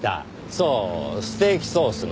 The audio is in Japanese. そうステーキソースの。